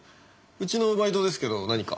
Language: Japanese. うちのバイトですけど何か？